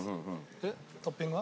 でトッピングは？